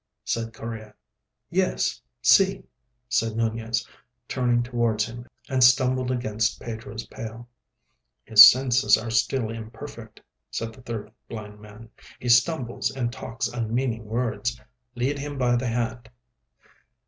said Correa. "Yes; see," said Nunez, turning towards him, and stumbled against Pedro's pail. "His senses are still imperfect," said the third blind man. "He stumbles, and talks unmeaning words. Lead him by the hand."